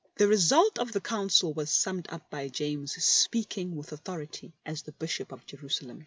The result of the Gouncil was summed up by James, speaking with authorit5t as the Bishop of Jerusalem.